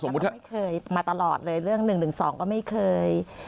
ไม่เคยมาตลอดเลยเรื่อง๑๑๒ก็ไม่เคย